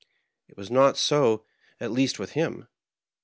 It was not so, at least, with him.